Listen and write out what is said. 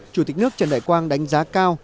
chủ tịch nước trần đại quang đánh giá cao